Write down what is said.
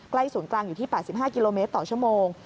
ศูนย์กลางอยู่ที่๘๕กิโลเมตรต่อชั่วโมง